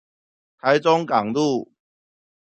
台中港路